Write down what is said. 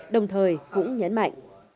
đồng thời cũng nhấn mạnh